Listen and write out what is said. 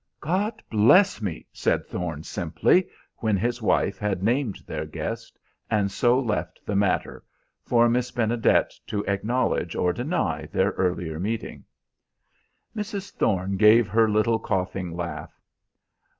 "God bless me!" said Thorne simply, when his wife had named their guest, and so left the matter, for Miss Benedet to acknowledge or deny their earlier meeting. Mrs. Thorne gave her little coughing laugh.